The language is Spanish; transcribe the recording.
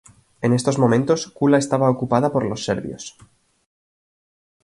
En estos momentos, Kula estaba ocupada por los Serbios.